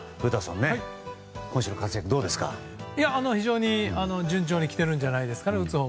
打つほうでは非常に順調にきているんじゃないですかね。